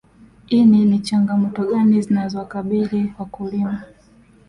ini ni changamoto gani zinazowakabili wakulima